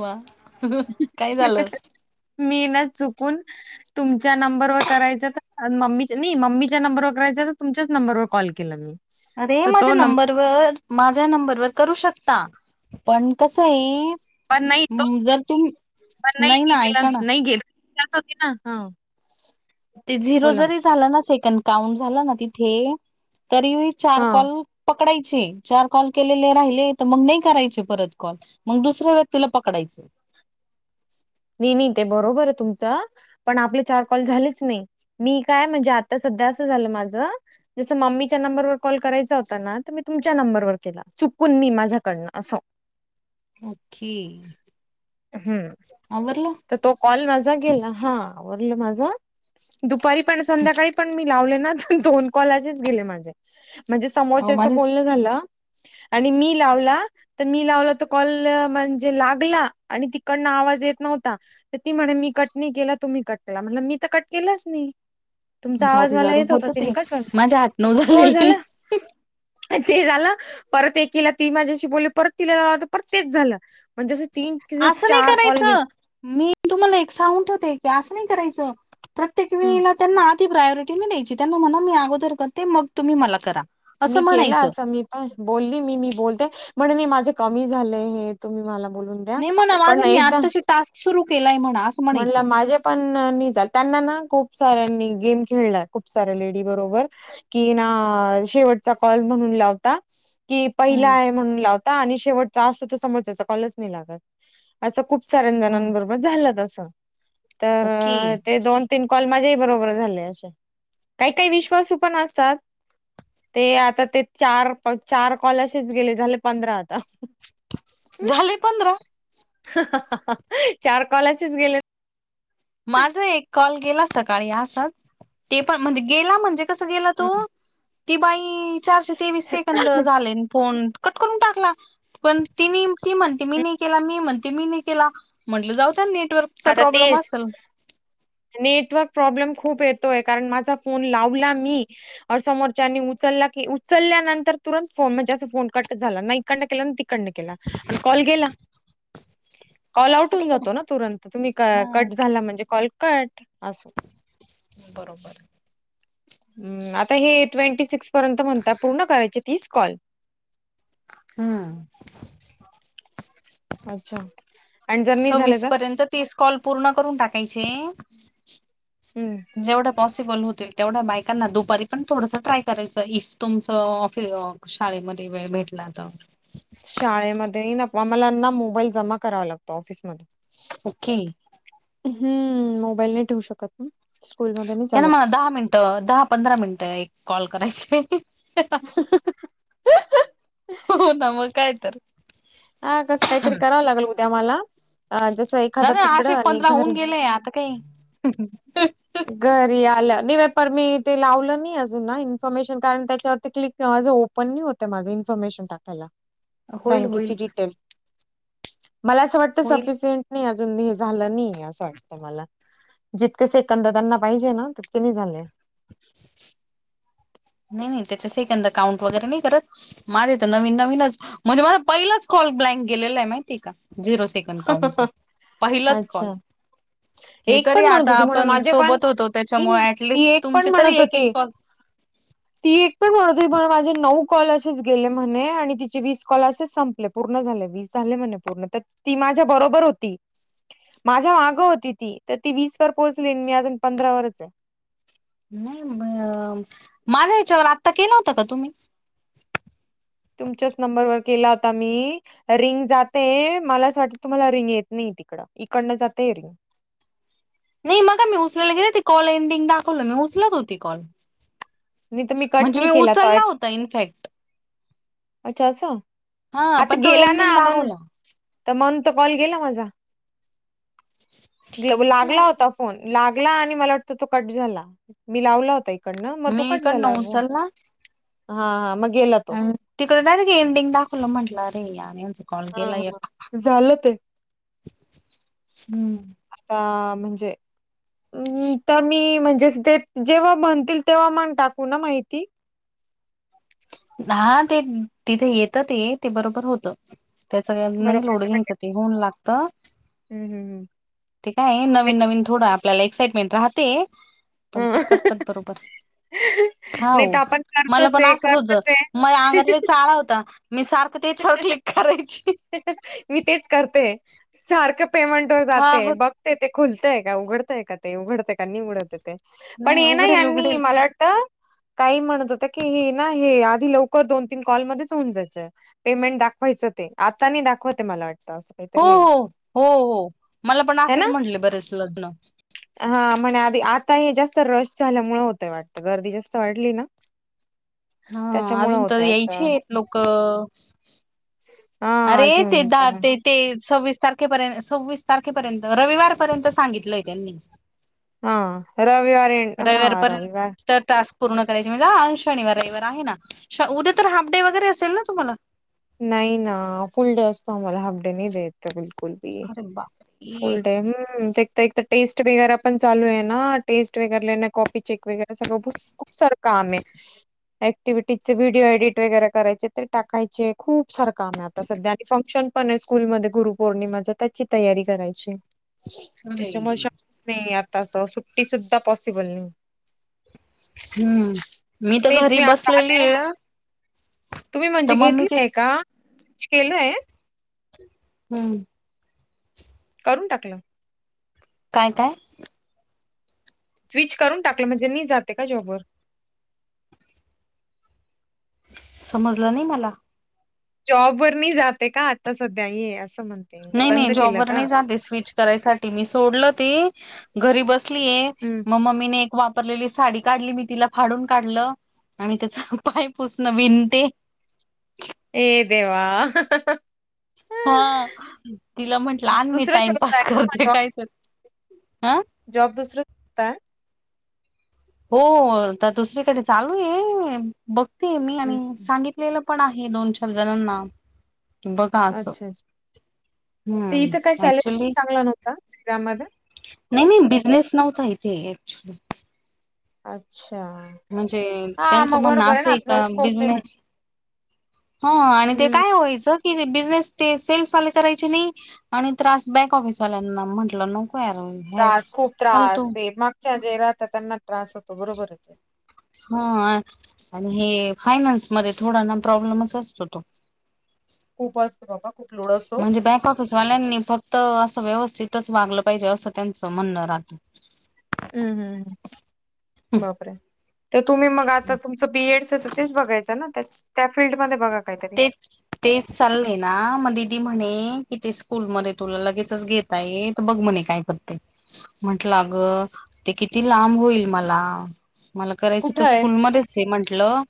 वा, काय झालंत. मी ना चुकून तुमच्या नंबरवर करायचं तर मम्मी नाही मम्मीच्या नंबरवर करायच तर तुमच्याच नंबरवर कॉल केलं मी. अरे तर माझ्या तो नंबर नंबरवर, माझ्या नंबरवर करू शकता पण कसं आहे. पण नाही तोच जर तुम पण नाही ना केला ऐका ना नाही केला. जात होते ना ह. ते झिरो जरी झालं ना सेकंड काउंट झालं ना तिथे. तरी मी चार हा कॉल पकडायचे, चार कॉल केलेले राहिले तर मग नाही करायचे परत कॉल. मग दुसऱ्या व्यक्तीला पकडायच. नाही, नाही ते बरोबर आहे तुमचं. पण आपले चार कॉल झालेच नाही. मी काय म्हणजे आता सध्या असं झालं माझ. जसं मम्मीच्या नंबरवर कॉल करायचा होता ना, तर मी तुमच्या नंबरवर केला. चुकून मी माझ्याकडनं असं. ओके, हम्म आवरल. तर तो कॉल माझा गेला हा आवरलं माझा दुपारी पण संध्याकाळी पण मी. लावल ना तर दोन कॉल असेच गेले माझे म्हणजे समोर अ च्याच माझ्या बोलन झाल. आणि मी लावला. तर मी लावल तर कॉल म्हणजे, लागला आणि तिकडनं आवाज येत नव्हता. ता तर ती म्हणे, मी कट नाही केला तुम्ही कट केला म्हण मी तर कट केलंच नाही? तुमचा जाऊ आवाज दे जाऊ मला दे येत होता. होत तिनी ते कठवून माझे आठ नऊ तो झालेले झाला. अ ते झालं. परत एकीला, ती माझ्याशी बोलली परत तिला परत तेच झालं. म्हणजे जसे तीन कि असं नाही चार कॉल गेल. करायचं मी तुम्हाला एक सांगून ठेवते की, असं नाही करायचं प्रत्येक वेळेला त्यांना ती प्रायोरिटी नाही द्यायची. त्यांना म्हणा मी अगोदर करते, मग तुम्ही मला करा. असं मी केला म्हणायचं अस मी. अ बोलली मी मी बोलते म्हण नाही माझे कमी झालेय हे तुम्ही मला बोलून. द्या नाही म्हणा, पण माझं मी एकदा आत्ताशी टास्क सुरू केलाय म्हणा. म्हणायचं म्हणलं माझ्या पण नि जाल त्यांना ना खूप साऱ्यांनी गेम खेळलाय खूप साऱ्या लेडी बरोबर! कि ना शेवटचा कॉल म्हणून लावता. कि पहिला हम्म आहे म्हणून लावता आणि शेवटचा असतो तर समोर त्याचा कॉलच नाही लागत. असं खूप साऱ्या हम्म जणांबरोबर झालं तसं तर ओके ते दोन, तीन कॉल माझ्याही बरोबर झाले असे काही-काही विश्वासू पण असतात. ते आता ते चार-चार कॉल असेच गेले झाले पंधरा आता. झाले पंधरा? चार कॉल असेच गेले. माझा एक कॉल गेला सकाळी असच ते पण म्हणजे गेला म्हणजे! कस गेला हम्म. तो ती बाई चारशे तेवीस सेकंद झाले अन् फोन. कट करून टाकला पण ति ती म्हणते मी नाही केला मी म्हणते? ते मी नाही केला म्हटलं जाऊ दया नेटवर्क, आता तेच, नेटवर्क प्रॉब्लेम खूप येतोय कारण माझा फोन लावला मी, अ समोरच्यानी उचलला की उचलल्यानंतर तुरंत फोन म्हणजे असं फोन कट झाला नाही. इकडन केला आणि तिकडन केला आणि कॉल गेला. [unintelligible] कॉल आउट ठीक होन आहे जातो ना तुरंत तुम्ही क हा. कट झाला म्हणजे कॉल कट अस. बरोबर आहे. हम आता हे ट्वेंटी सिक्स पर्यंत म्हणत पूर्ण करायची तीस कॉल. हम्मं, अच्छा. आणि जर नाही झाले सव्वीस तर पर्यंत तीस कॉल पूर्ण करून टाकायचे. हम्म. जेवढं पॉसिबल होतील तेवढ्या बायकांना दुपारी पण थोडस ट्राय करायचं ही तुमचं ऑफ हाय का? शाळेमध्ये वेळ भेटला तर. शाळेमध्ये नफ्वा मला ना मोबाईल जमा करावा लागतो ऑफिसमध्ये. ओके. हम्म मोबाईल नाही ठेवू शकत स्कूल मध्ये, त्यांना मला दहा मिनिटं दहा पंधरा मिनिटं एक कॉल करायचा आहे. हो ना म काय तर. हा कसं काहीतरी करावं लागल उद्या मला. अ जस ना एखादं ना तिकडं असे आणि एक पंधरा होऊन घरी गेले आता काही फ्री आल, मी ते लावलं नाही अजून ना इन्फॉर्मेशन कारण त्याच्यावर क्लिक आवाज पण नाही होते माझ इन्फॉर्मेशन टाकायला. होईल होईल बँकेची डिटेल मला असं वाटत होईल सफिशंट नाही अजून हे झालं नाही असं वाटतं मला. जितके सेकंद त्यांना पाहिजे ना, तितके नाही झाले. नाही नाही त्याच्या सेकंद काउंट वगैरे नाही करत. माझे तर नवीन नवीनच म्हणजे माझा पहिलाच कॉल ब्लँक गेलेला आहे, माहिती का झिरो सेकंड काऊंटचा पहिलाच अच्छा कॉल. हे एक तरी पण म्हणत आता होती म्हणे आपण माझे पण सोबत होतो. मी त्याच्यामुळे ती ऍटलिस्ट एक पण तुमचे तरी म्हणत एक-एक होती. कॉल ती एक पण बणत होती म्हण माझ्या नऊ कॉल असेच गेले म्हणे, आणि तिचे वीस कॉल असेच संपले, पूर्ण झाले वीस झाले म्हणे पूर्ण तर ती माझ्या बरोबर होती. माझ्या मागं होती ती. तर ती वीस वर पोहोचली, मी अजून पंधरा वरच आहे. नाही माझ्या याच्यावर आत्ता केलं होता का तुम्ही. तुमच्याच नंबरवर केला होता मी. रिंग जाते मला असं वाटतं, तुम्हाला रिंग येत नाही तिकड. इकडन जातंय नाही मगा मी उचलायला गेले, ती कॉल एंडिंग दाखवलं मी उचलत होती कॉल. नाही तर कट म्हणजे मी नाही केला तो उचलला होता इनफॅक्ट. अच्छा असं, हा आता पण तो गेला एंडिंग ना म्हण दाखवला तर म्हणून तर कॉल गेला माझा. लागला होता फोन लागला आणि मला वाटत तो कट झाला. मी लावला होता इकडंन मग तो मी कट झाला. इकडनं उचलला हा-हा मग तो. आणि तिकडे डायरेक्ट एडिंग दाखवलं, म्हटलं अरे यार कॉल हं गेला एक. हं झालं ते. का म्हणते. तर मी म्हणजेच ते जेव्हा बनतील, तेव्हा मण टाकू ना माहिती. हा ते तिथे येत ते, ते बरोबर होत. त्याच नाही लोड घ्यायचं, ते होऊन लागत. हं- हं. ते काय नवीन नवीन थोडं आपल्याला एक्साइटमेंट राहते. पण ते हम्म. करतात बरोबर. नाही हाव तर आपण मला करतोच पण आहे असत होत, करतोच माया अंगात लै आहे. चाळा होता. मी सारखं त्याच्यावर क्लिक करायची. मी तेच करते, सारखं पेमेंट वर हा जाते. हो ते ते खुलतय का, उघडतय का ते, उघडते का, नाही उघडते ते. पण नाही ये ना उघडेल यांनी उघडेल मला वाटत ते काही म्हणत होत्या, की हे ना हे आधी लवकर दोन तीन कॉल मध्येच होऊन जायचं, पेमेंट दाखवायचं ते. आता नाही दाखवतय मला वाटतं अस. हो-हो, हो-हो मला पण है असंच ना म्हटले बरेच जण. हा म्हणे आधी आता हे जास्त रश झाल्यामुळे होतय वाटतं, गर्दी जास्त वाढली ना. हा त्याच्यामुळे अजून तर होतय असं यायचेत लोक. हा अरे ते अजून दहा त्याला ते ते सव्वीस तारखेपर्यंत, सव्वीस तारखेपर्यंत, रविवारपर्यंत सांगितलंय त्यांनी. हां रविवारी रविवारीपर्यंत तर टास्क पूर्ण करायची शनिवार रविवार आहे ना उद्या तर हाफ डे वगैरे असेल ना तुम्हाला नाही ना फुल डे असतो आम्हाला हाफ डे नाही द्यायेत बिलकुल अरे बापरे फुल डे हम्म ते टेस्ट वगैरे पण चालू आहे ना टेस्ट वगैर चेक वगैरे सगळं खूप सारं काम आहे ऍक्टिव्हटीज चे व्हिडिओ एडिट वगैरे करायचे टाकायचे खूप सारं काम आहे आता सध्या आणि फंक्शन पण आहे स्कूलमध्ये गुरुपौर्णिमाच त्याची तयारी करायची अरे त्याच्यामुळे शच नाही आताच सुट्टी सुद्धा पॉसिबल नाही हम्म मी तर तेच घरी आता बसलेली आले आहे तुम्ही तर म्हणजे घेतले मम्मीचे आहे का केलंय हम्म करून टाकलं काय काय स्विच करून टाकलं म्हणजे नाही जाते का जॉब वर समजलं नाही मला जॉब वर नाही जाते का आता सध्या ये असं म्हणते मी नाही नाही बंद केलं जॉबवर का? नाही जाते स्विच करायसाठी मी सोडल ते घरी बसलीय हम्म मग मम्मीने एक वा वापरलेली साडी काढली मी तिला फाडून काढलं आणि त्याच पाय पुसणं विनते अरे देवा हा तिला म्हंटलं आण मी दुसरं टाइमपास शोधताय का करते जॉब काय तरी हा जॉब दुसर करताय हो तर दुसरीकडे चालू आहे बघते मी आणि हम्म, सांगितलेलं पण आहे दोन चार जणांना कि बघा अस अच्छा अच्छा ते इथे काय सॅलरी चांगला नव्हता श्रीराम मध्ये नाही नाही बिझनेस नव्हता इथे ॲक्चुली अच्छा म्हणजे हा त्यांचं मग म्हण बरोबर ना असे आहे आपलं का स्कोप नाही भेट बिझनेस ह आणि ते हम्म काय व्हायचं कि बिझनेस ते सेल्सवाले करायचे नाही आणि त्रास बॅक ऑफिसवाल्यांना म्हटलं नको यार हे त्रास खूप फालतू त्रास ते मागच्या जे राहतात त्यांना त्रास होतो बरोबर होते हा आणि हे फायनान्समध्ये थोडा ना प्रॉब्लेमच असतो तो उपवास बाबा खूप लोड असतो. म्हणजे बँक ऑफ ऑफिसवाल्यांनी फक्त असं व्यवस्थितच वागलं पाहिजे असं त्यांचं म्हणणं राहतं हम्म हम्म [inaudible] बापरे तर तुम्ही मग आता तुमचं बीएडच तर तेच बघायच ना त्याच त्या फील्डमध्येध्ये बघा काहीतरी तेच तेच चाललंय ना मग दिदी म्हणे कि ते स्कूल मध्ये तुला लगेचच घेत आहेत तर बघ म्हणे काय करते म्हटलं अग ते किती लांब होईल मला मला करायचं कुठं तर आहे स्कूलमध्येच आहे म्हंटलं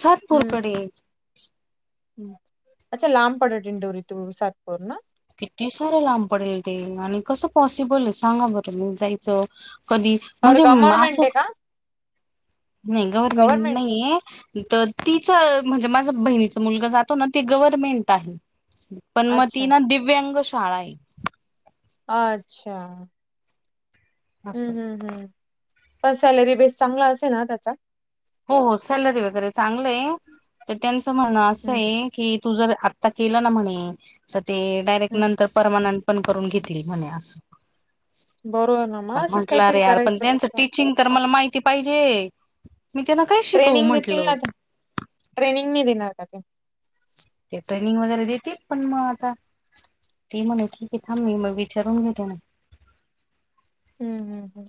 सातपूरकडे ह् अच्छा लांब पडेल दिंडोरी टू सातपूर ना किती सार लांब पडेल ते आणि कसं पॉसिबल आहे सांगा बरं मी जायचं कधी और म्हणजे गव्हर्मेंट असं,, आहे का नाही गव्हर्मेंट नाहीये, त तिचं म्हणजे माझं बहिणीचा मुलग जातो ना, ते गव्हर्मेंट आहे. पण मग ती अच्छा ना दिव्यांग शाळा आहे. अच्छा. असं हम्म हम्म हम्म, पण सॅलरी बेस चांगला असेल ना त्याचा? हो हो सॅलरी वगैरे चांगलं आहे,, तर त्यांचं म्हणणं हम्म असंय की तू जर आता केलं ना म्हणे, तर ते डायरेक्ट हम्म नंतर परमनंट पण करून घेतील म्हणे असं. बरोबर ना पण मग असंच म्हंटलं रे काहीतरी यार पण करायचं त्यांचं फक्त. टीचिंग तर मला माहिती पाहिजे. मी त्यांना काहीच ट्रेनिंग देतील ना ते, ट्रेनिंग नाही देणार का ते? ते ट्रेनिंग वगैरे देतील, पण मग आता ती म्हणे की थांब मग विचारून घेतो ना. हम्म हम्म,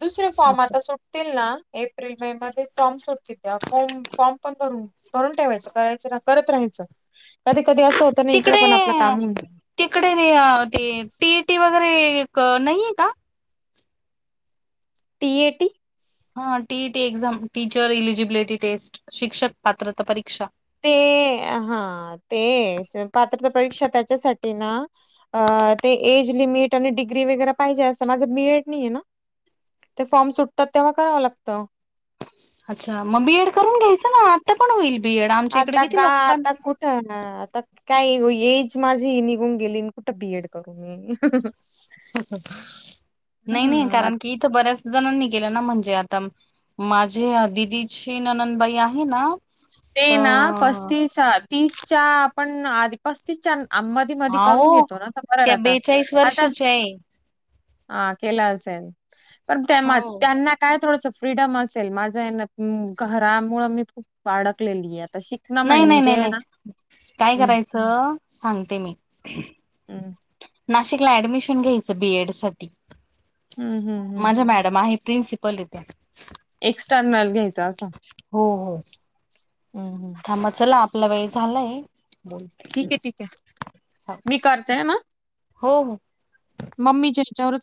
दुसरे फॉर्म असं. आता सुट तील ना,, एप्रिल मे मध्ये फॉर्म सुटतील त्या फॉर्म फॉर्म पण भरून करून ठेवायचं करायचं ना करत राहायचं,, कधी कधी असं होतं ना इकडं तिकडे पण आपलं काम होवुन जात तिकडे ते टीईटी वगैरे नाहीये का? टीएटी हा TET exam, teacher eligibility test शिक्षक पात्रता परीक्षा. ते, हा ते पात्रपरीक्षा त्याच्यासाठी ना अ ते एज लिमिट आणि डिग्री वगैरे पाहिजे असतं, माझं बीएड नाहीेये ना ते फॉर्म सुटतात तेव्हा करावं लागतं. अच्छा मग बीएड करून घ्यायचं ना, आता पण होईल बीएड, आमच्या इकडं आता किती का लोकां आता आता काय एज माझी निघून गेली न कुठं बीएड करु नाही नाही हां, कारण कि इथं बऱ्याच जणांनी केलं ना म्हणजे आता माझे दिदीची ननंनबाई आहे ना ते ना तर पस्तीस तीसच्या आपण आध पस्तीसच्या मधी हा करून हो घेतो ना आ बर त्या आता, बेचाळीस आता वर्षाच्या आहे हा केलं असेल, पण त्या हो त्यांना काय थोडंसं फ्रीडम असेल, माझं आहे ना घरामुंळं मी खूप वाडकलेली आहे आता शिक नाही नाही नाही नाही काय करायचं, सांगते मी हम्म नाशिकला ऍडमिशन घ्यायचं बीएड साठी,, हम्म हम्म हम्म माझ्या मॅडम आहेत प्रिनसिपल येत्या. एक्स्टर्नल घ्यायचा असा हो हो. [inaudible] थांबा चला आपला वेळ झालाय,, बोलते ठीक आहे ठीक आहे, मी करते ना हो हो. मम्मीच्या ह्यच्यावरच